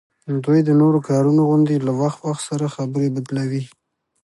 دوی د نورو کارونو غوندي له وخت وخت سره خبره بدلوي